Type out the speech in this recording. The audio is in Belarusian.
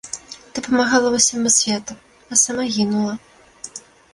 Ты памагала ўсяму свету, а сама гінула.